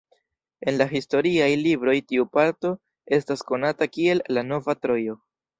En la historiaj libroj tiu parto estas konata kiel "La nova Trojo".